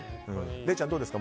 礼ちゃん、どうですか？